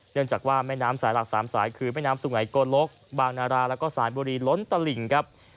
เนื่องจากว่าแม่น้ำสายหลัก๓สายคือแม่น้ำสุงัยโกลกบางนาราแล้วก็สายบุรีล้นตลิ่งครับ